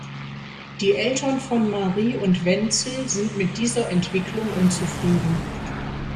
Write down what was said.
Die Eltern von Marie und Wenzel sind mit dieser Entwicklung unzufrieden.